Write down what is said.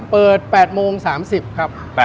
เปิด๘โมง๓๐ครับ